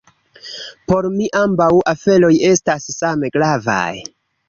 Por mi ambaŭ aferoj estas same gravaj.